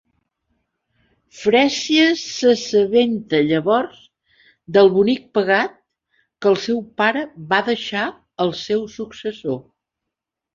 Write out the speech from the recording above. Freesia s'assabenta llavors del Bonic Pegat que el seu pare va deixar al seu successor.